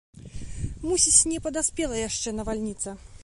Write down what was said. Мусіць, не падаспела яшчэ навальніца.